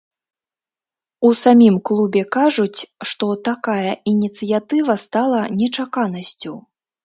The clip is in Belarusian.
У самім клубе кажуць, што такая ініцыятыва стала нечаканасцю.